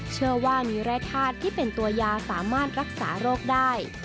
เชื่อว่ามีแร่ธาตุที่เป็นตัวยาสามารถรักษาโรคได้